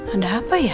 ada apa ya